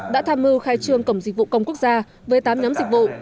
đã tham mưu khai trương cổng dịch vụ công quốc gia với tám nhóm dịch vụ